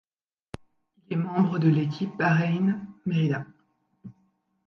Il est membre de l'équipe Bahrain-Merida.